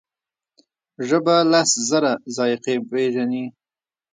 ژبه لس زره ذایقې پېژني.